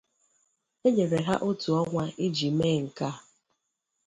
E nyere ha otu onwa I ji mee nke a